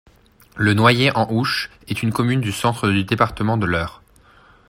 Le Noyer-en-Ouche est une commune du Centre du département de l'Eure.